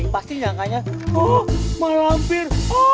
pasti nyangkanya malam bir